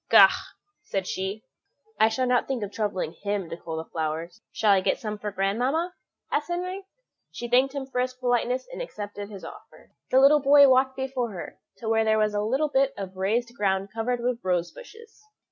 "Faugh!" said she, "I shall not think of troubling him to cull the flowers." "Shall I get some for grandmamma?" asked Henry. She thanked him for his politeness, and accepted his offer. The little boy walked before her to where there was a bit of raised ground covered with rose bushes.